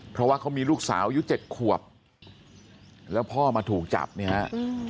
เพราะว่าเขามีลูกสาวอายุเจ็ดขวบแล้วพ่อมาถูกจับเนี่ยฮะ